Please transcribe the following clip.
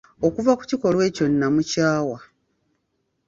Okuva ku kikolwa ekyo namukyawa.